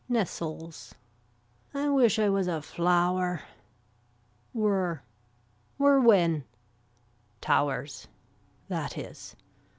Nestles. I wish I was a flower. Were. Were when. Towers. That is.